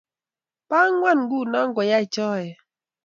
bo ang'wan nguno koyae choe